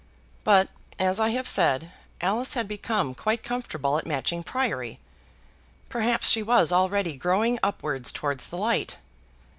But, as I have said, Alice had become quite comfortable at Matching Priory. Perhaps she was already growing upwards towards the light.